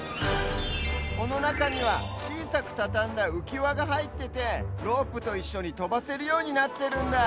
このなかにはちいさくたたんだうきわがはいっててロープといっしょにとばせるようになってるんだ。